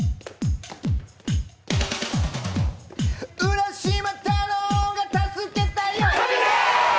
浦島太郎が助けたよ！